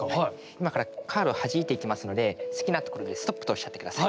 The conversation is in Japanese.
今からカードをはじいていきますので好きなところで「ストップ」とおっしゃって下さい。